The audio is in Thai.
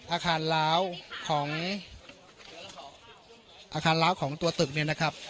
อาคารล้าวของอาคารล้าวของตัวตึกเนี่ยนะครับ